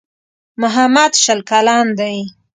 محمد شل کلن دی.